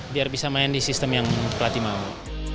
biar bisa main di sistem yang pelatih mau